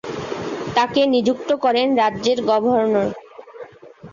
তাকে নিযুক্ত করেন রাজ্যের গভর্নর।